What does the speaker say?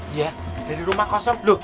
iya dari rumah kosong